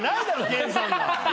健さんが。